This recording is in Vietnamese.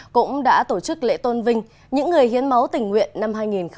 cũng đã tổ chức lễ tôn vinh những người hiến máu tình nguyện năm hai nghìn hai mươi